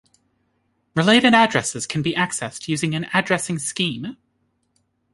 Related addresses can be accessed using an "addressing scheme".